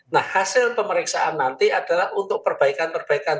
nah hasil pemeriksaan nanti adalah untuk perbaikan perbaikan